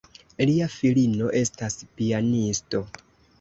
Lia filino estas pianisto.